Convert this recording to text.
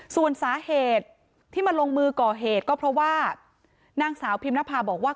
ส่วนสาเหตุที่มาลงมือก่อเหตุก็เพราะว่านางสาวพิมนภาบอกว่า